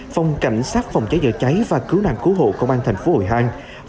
phòng cảnh sát phòng cháy dở cháy và cứu nạn cứu hộ công an thành phố hồi hàng